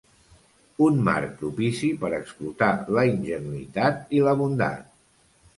Un marc propici per explotar la ingenuïtat i la bondat.